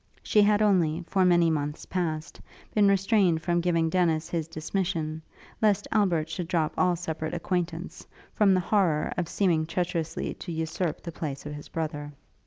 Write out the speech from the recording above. She had only, for many months past, been restrained from giving Dennis his dismission, lest Albert should drop all separate acquaintance, from the horrour of seeming treacherously to usurp the place of his brother.